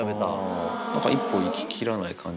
なんか一歩行ききらない感じ